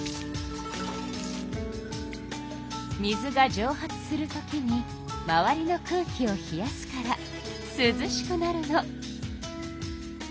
水がじょう発する時に周りの空気を冷やすからすずしくなるの。